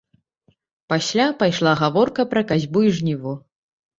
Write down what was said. Пасля пайшла гаворка пра касьбу і жніво.